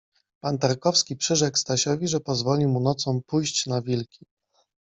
Pan Tarkowski przyrzekł Stasiowi, że pozwoli mu nocą pójść na wilki.